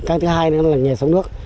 cái thứ hai nữa là nhà sống nước